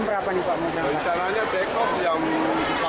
rencananya jam berapa nih pak